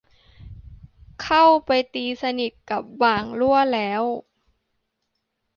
เข้าไปตีสนิทกับบ่างลั่วแล้ว